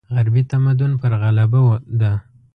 غربي تمدن پر غلبه ده.